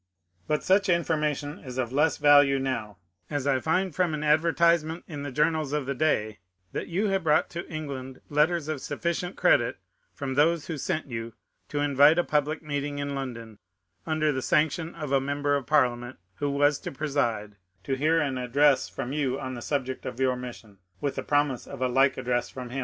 But such information is of the less value now, as I find from an adver tisement in the journals of the day that you have brought to England letters of sufficient credit from those who sent you to invite a public meeting in London, under the sanction of a Member of Parliament who was to preside, to hear an ad dress from you on the subject of your mission, with the promise of a like address from him.